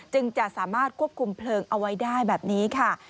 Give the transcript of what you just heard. จึงจะสามารถควบคุมเพลิงเอาไว้ได้แบบนี้ค่ะ